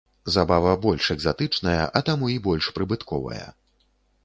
Забава больш экзатычная, а таму і больш прыбытковая.